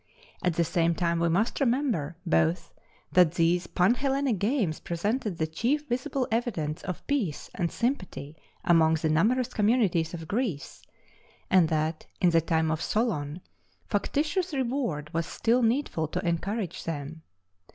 At the same time, we must remember both that these Pan Hellenic games presented the chief visible evidence of peace and sympathy among the numerous communities of Greece, and that in the time of Solon, factitious reward was still needful to encourage them.